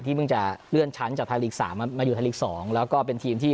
เพิ่งจะเลื่อนชั้นจากไทยลีกสามมาอยู่ไทยลีก๒แล้วก็เป็นทีมที่